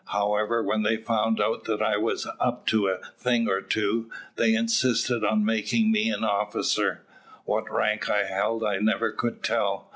However, when they found out that I was up to a thing or two, they insisted on making me an officer. What rank I held I never could tell.